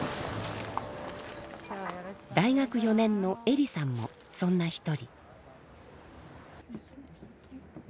大学４年のえりさんもそんな一人。